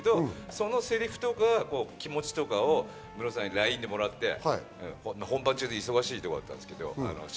セリフとか気持ちとかをＬＩＮＥでもらっていて、本番中で忙しいところだったんですけど。